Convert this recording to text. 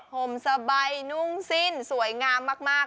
ห่มสบายนุ่งสิ้นสวยงามมาก